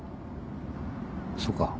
そうか